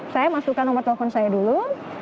saya masukkan nomor telepon saya dulu